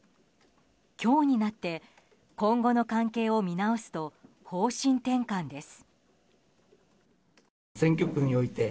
今日になって、今後の関係を見直すと方針転換です。